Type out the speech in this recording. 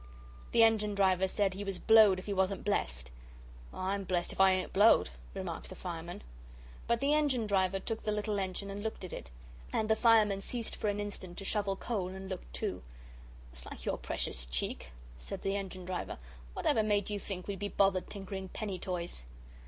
The engine driver said he was blowed if he wasn't blest. "I'm blest if I ain't blowed," remarked the fireman. But the engine driver took the little engine and looked at it and the fireman ceased for an instant to shovel coal, and looked, too. "It's like your precious cheek," said the engine driver "whatever made you think we'd be bothered tinkering penny toys?"